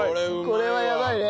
これはやばいね。